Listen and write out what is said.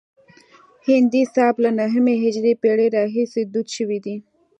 هندي سبک له نهمې هجري پیړۍ راهیسې دود شوی دی